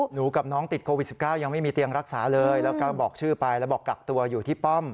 หนูกับน้องติดโควิด๑๙ยังไม่มีเตียงรักษาเลยแล้วก็บอกชื่อไปแล้วบอกกักตัวอยู่ที่ป้อม